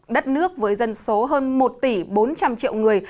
đất nước với dân số hơn một tỷ bốn trăm linh triệu người